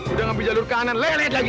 udah gak bisa jalan kanan lewat lihat lagi